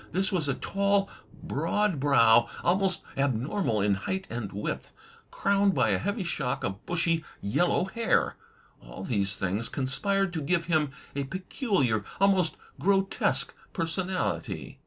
This was a tall, broad brow, almost abnormal in height and width, crowned by a heavy shock of bushy, yellow hair. All these things conspired to give him a peculiar, almost grotesque personality.